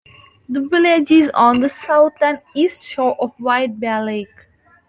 The village is on the south and east shore of White Bear Lake.